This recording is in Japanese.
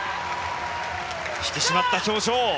引き締まった表情。